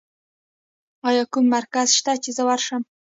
ایا کوم مرکز شته چې زه ورشم؟